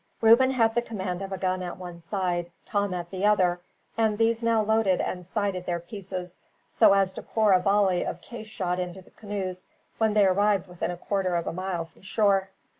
Reuben had the command of a gun at one side, Tom at the other, and these now loaded and sighted their pieces, so as to pour a volley of case shot into the canoes when they arrived within a quarter of a mile from shore.